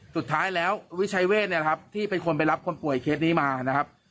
สุดท้ายแล้ววิชัยเวทเนี่ยครับที่เป็นคนไปรับคนป่วยเคสนี้มานะครับ